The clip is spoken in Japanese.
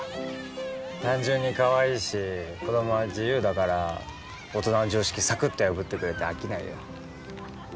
単純にかわいいし子供は自由だから大人の常識サクッと破ってくれて飽きないよ